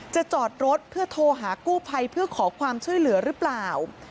จอดรถเพื่อโทรหากู้ภัยเพื่อขอความช่วยเหลือหรือเปล่า